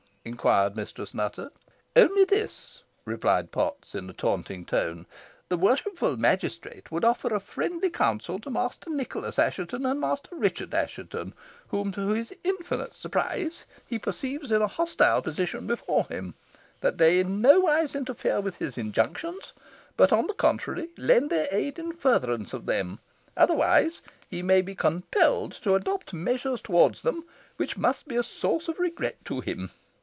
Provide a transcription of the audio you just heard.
inquired Mistress Nutter. "Only this," replied Potts, in a taunting tone, "the worshipful magistrate would offer a friendly counsel to Master Nicholas Assheton, and Master Richard Assheton, whom, to his infinite surprise, he perceives in a hostile position before him, that they in nowise interfere with his injunctions, but, on the contrary, lend their aid in furtherance of them, otherwise he may be compelled to adopt measures towards them, which must be a source of regret to him.